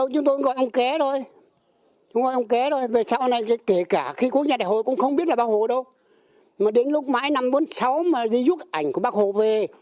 chúng tôi không biết làm sao mà đi giúp ảnh của bác hồ về